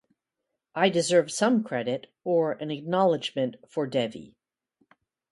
I deserve some credit or an acknowledgement for Devi.